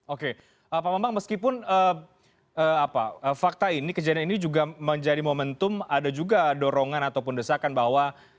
oke pak bambang meskipun fakta ini kejadian ini juga menjadi momentum ada juga dorongan ataupun desakan bahwa